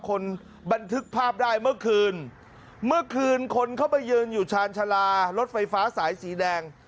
คนบันทึกภาพได้เมื่อคืนเมื่อคืนคนเข้าไปยืนอยู่ชาญชาลารถไฟฟ้าสายสีแดง